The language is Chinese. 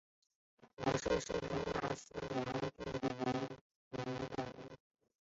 模式种是诺瓦斯颜地龙为名。